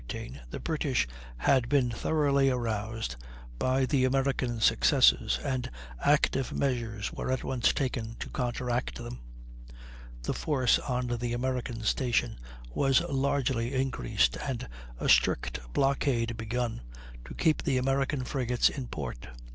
_ By the beginning of the year 1813 the British had been thoroughly aroused by the American successes, and active measures were at once taken to counteract them. The force on the American station was largely increased, and a strict blockade begun, to keep the American frigates in port.